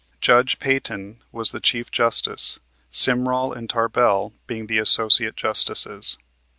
Judge Peyton was the Chief Justice, Simrall and Tarbell being the Associate Justices.